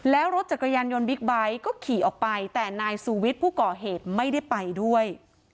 แล้วรถจักรยานยนต์บิ๊กไบท์ก็ขี่ออกไปแต่นายสูวิทย์ผู้ก่อเหตุไม่ได้ไปด้วย